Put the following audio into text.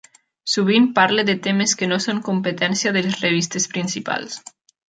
Sovint parla de temes que no són competència de les revistes principals.